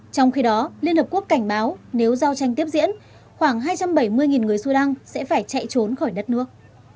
trong khi đó liên hợp quốc cảnh báo nếu giao tranh tiếp diễn khoảng hai trăm bảy mươi người sudan sẽ phải chạy trốn khỏi đất nước